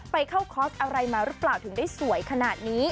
ไปเข้าคอร์สอะไรมาหรือเปล่าถึงได้สวยขนาดนี้